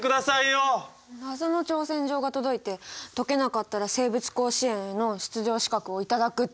謎の挑戦状が届いて解けなかったら生物甲子園への出場資格をいただくって！